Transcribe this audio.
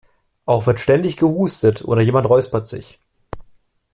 Auch wird ständig gehustet oder jemand räuspert sich.